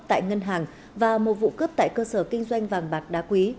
tại ngân hàng và một vụ cướp tại cơ sở kinh doanh và ngân hàng